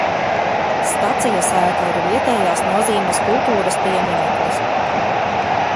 Stacijas ēka ir vietējās nozīmes kultūras piemineklis.